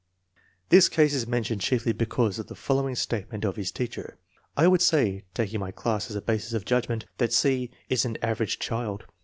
This case is mentioned chiefly because of the follow ing statement of his teacher: " I would say, taking my class as a basis of judgment, that C. is an average child."